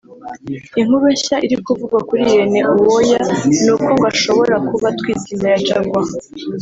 Inkuru nshya iri kuvugwa kuri Irene Uwoya ni uko ngo ashobora kuba atwite inda ya Jaguar